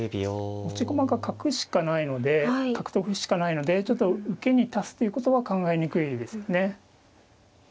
持ち駒が角しかないので角と歩しかないのでちょっと受けに足すということは考えにくいですよね。